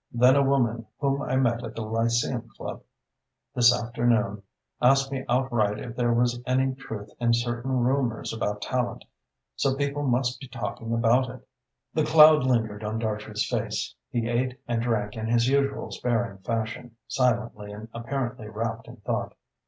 Then a woman whom I met in the Lyceum Chub this afternoon asked me outright if there was any truth in certain rumours about Tallente, so people must be talking about it." The cloud lingered on Dartrey's face. He ate and drank in his usual sparing fashion, silently and apparently wrapped in thought.